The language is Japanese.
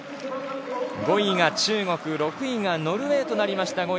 ５位が中国６位がノルウェーとなりました。